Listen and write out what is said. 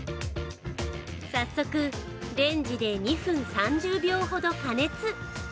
早速、レンジで２分３０秒ほど加熱。